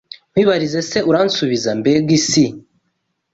nkwibarize se uransubiza Mbega Isi